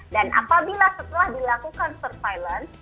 dan apabila setelah dilakukan surveillance